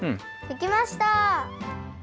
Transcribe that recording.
できました！